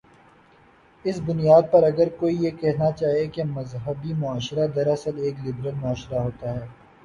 اس بنیاد پر اگر کوئی یہ کہنا چاہے کہ مذہبی معاشرہ دراصل ایک لبرل معاشرہ ہوتا ہے۔